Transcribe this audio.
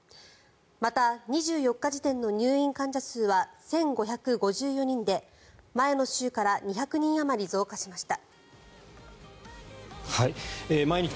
また、２４日時点の入院患者数は１５５４人で前の週から２００人あまり増加しました。